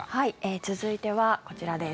続いてはこちらです。